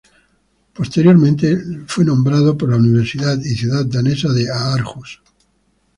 Posteriormente fue nombrado por la universidad y ciudad danesa de Aarhus.